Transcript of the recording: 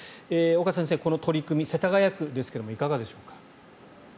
岡先生、この取り組み世田谷区ですがいかがでしょうか。